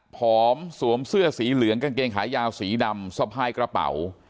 สวมเสื้อสีเหลืองกางเกงขายาวสีดำสะพายกระเป๋า